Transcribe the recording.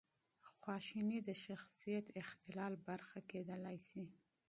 غوسه د شخصیت اختلال برخه کېدای شي.